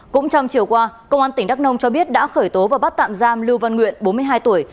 cũng trong chiều qua công an tỉnh đắk nông cho biết đã khởi tố và bắt tạm giam lưu văn nguyện bốn mươi hai tuổi